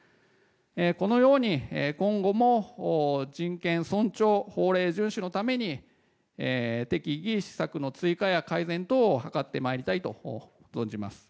このように今後も人権尊重、法令順守のために適宜、施策の追加や改善等を図ってまいりたいと存じます。